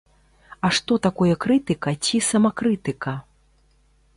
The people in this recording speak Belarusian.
А што такое крытыка ці самакрытыка?